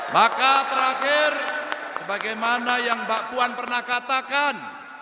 maka terakhir sebagaimana yang mbak puan pernah katakan